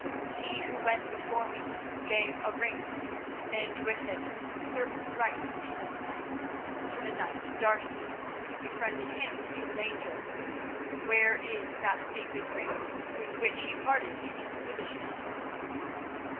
He who went before me gave a ring, and with it certain rights in this land, to the knight D'Arcy who befriended him in danger. Where is that sacred ring, with which he parted in his foolishness?"